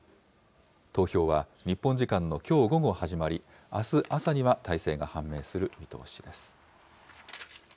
投票は日本時間のきょう午後始まり、あす朝には大勢が判明する見通しです。